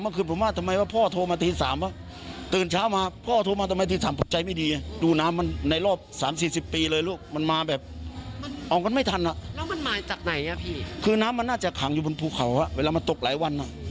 ก็คือน้ำมันน่าจะขังอยู่บนภูเขาอ่ะเวลามันตกหลายวันอ่ะ